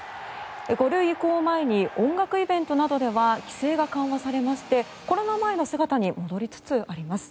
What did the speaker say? ５類移行を前に音楽イベントなどでは規制が緩和されましてコロナ前の姿に戻りつつあります。